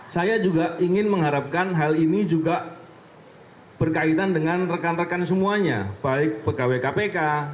saya juga ingin mengharapkan hal ini juga berkaitan dengan rekan rekan semuanya baik pegawai kpk